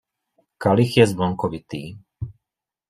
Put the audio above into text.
Kalich je zvonkovitý.